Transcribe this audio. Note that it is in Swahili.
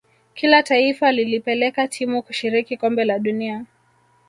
kila taifa lilipeleka timu kushiriki kombe la dunia